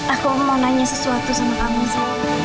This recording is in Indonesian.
aku mau nanya sesuatu sama kamu sih